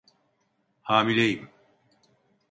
Hamileyim.